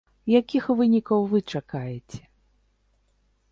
Якіх вынікаў вы чакаеце?